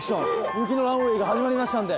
雪のランウェイが始まりましたんで。